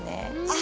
あ。